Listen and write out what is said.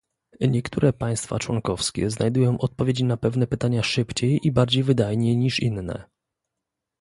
niektóre państwa członkowskie znajdują odpowiedzi na pewne pytania szybciej i bardziej wydajnie niż inne